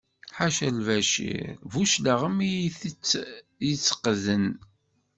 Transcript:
Ḥaca Lbacir Buclaɣem i yi-tt-yetteqden.